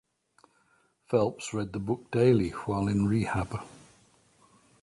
Phelps read the book daily while in rehab.